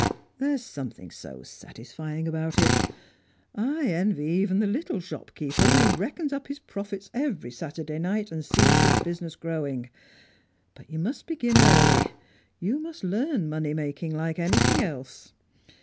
There's something so satisfying about it. I envy even the little shopkeeper, who reckons up his profits every Saturday night, and sees his business growing. But you must begin early; you must learn money making like anything else.